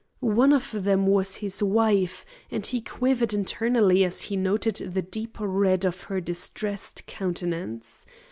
One of them was his wife, and he quivered internally as he noted the deep red of her distressed countenance.